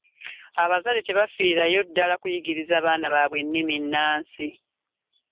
abazadde tebafiirayo ddala kuyigiriza baana baabwe nnimi nnansi